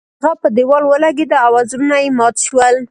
هغه په دیوال ولګیده او وزرونه یې مات شول.